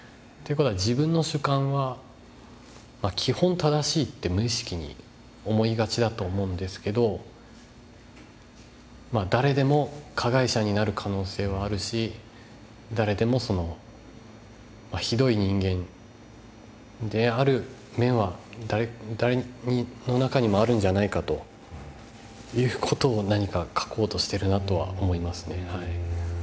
って事は自分の主観は基本正しいって無意識に思いがちだと思うんですけど誰でも加害者になる可能性はあるし誰でもひどい人間である面は誰の中にもあるんじゃないかという事を何か描こうとしてるなとは思いますね。